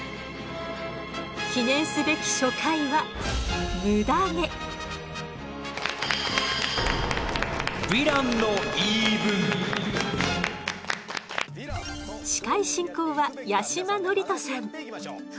記念すべき初回は司会進行は八嶋智人さん。